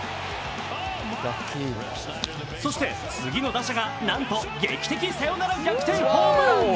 そして次の打者がなんと劇的サヨナラ逆転ホームラン。